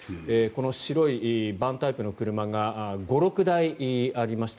白いバンタイプの車が５６台ありました。